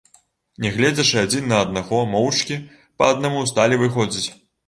Не гледзячы адзін на аднаго, моўчкі, па аднаму, сталі выходзіць.